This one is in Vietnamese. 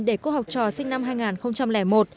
để cô học trò sinh năm hai nghìn một